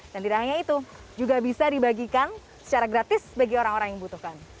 dan tidak hanya itu juga bisa dibagikan secara gratis bagi orang orang yang butuhkan